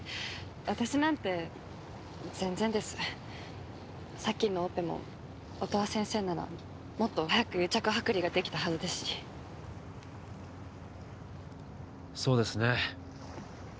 私なんて全然ですさっきのオペも音羽先生ならもっと早く癒着剥離ができたはずですしそうですね音羽先生なら縫合止血も